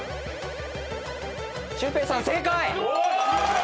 シュウペイさん正解！